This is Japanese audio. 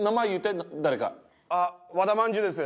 和田まんじゅうです。